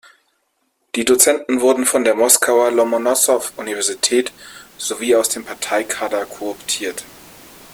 Die Dozenten wurden von der Moskauer Lomonossow-Universität sowie aus dem Parteikader kooptiert.